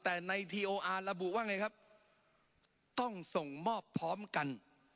แต่ในทีโออาร์ระบุว่าไงครับต้องส่งมอบพร้อมกัน